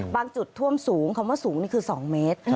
จุดท่วมสูงคำว่าสูงนี่คือ๒เมตร